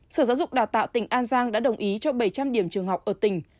sở giáo dục đào tạo tỉnh an giang đã đồng ý cho bảy trăm linh điểm trường học ở tỉnh